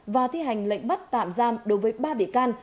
và thi hành lệnh bắt tạm giam đối với ba bị can